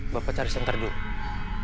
bapak cari sentar dulu